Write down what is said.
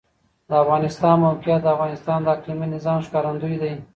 د افغانستان د موقعیت د افغانستان د اقلیمي نظام ښکارندوی ده.